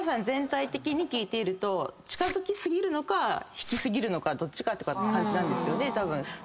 全体的に聞いていると近づき過ぎるのか引き過ぎるのかどっちかって感じなんですよね。